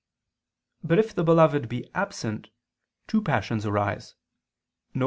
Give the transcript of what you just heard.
But if the beloved be absent, two passions arise; viz.